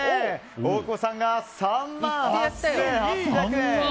大久保さんが３万８８００円。